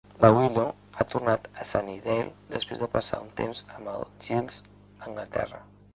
La Willow ha tornat a Sunnydale després de passar un temps amb el Giles a Anglaterra.